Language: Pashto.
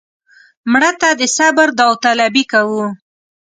مړه ته د صبر داوطلبي کوو